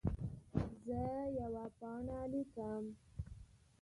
زه یوه پاڼه لیکم.